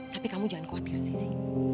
tapi kamu jangan khawatir sih